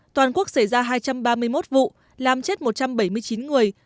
toàn quốc xảy ra hai trăm ba mươi một vụ làm chết một trăm bảy mươi chín người